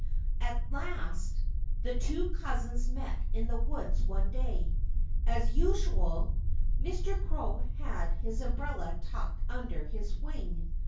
At last the two cousins met in the woods one day. As usual, Mr. Crow had his umbrella tucked under his wing.